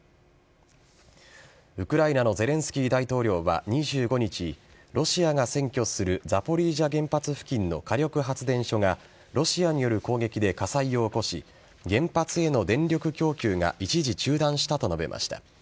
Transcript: ウクライナのゼレンスキー大統領は２５日ロシアが占拠するザポリージャ原発付近の火力発電所がロシアによる攻撃で火災を起こし原発への電力供給が一時中断したと述べました。